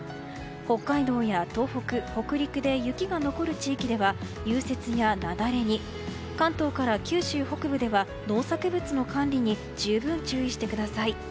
北海道や東北、北陸で雪が残る地域では融雪や雪崩に関東から九州北部では農作物の管理に十分、注意してください。